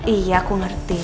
iya aku ngerti